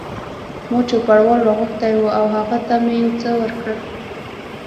ما چوپړوال را غوښتی و او هغه ته مې یو څه ورکړل.